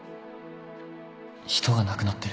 人が亡くなってる